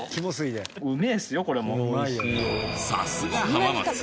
さすが浜松。